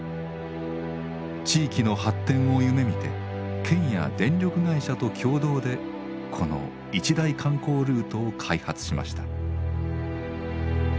地域の発展を夢みて県や電力会社と共同でこの一大観光ルートを開発しました。